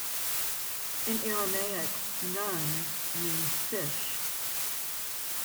In Aramaic, "nun" means "fish".